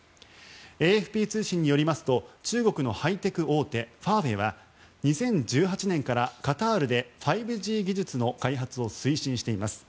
ＡＦＰ通信によりますと中国のハイテク大手ファーウェイは２０１８年からカタールで５Ｇ技術の開発を推進しています。